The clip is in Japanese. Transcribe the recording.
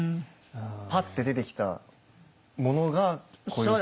パッて出てきたものがこういうふうに？